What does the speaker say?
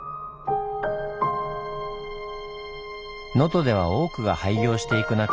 能登では多くが廃業していく中